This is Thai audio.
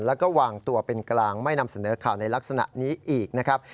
แล้วก็วางตัวเป็นกลางไม่นำเสนอข่าวในลักษณะนี้อีกนะครับ